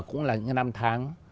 cũng là những năm tháng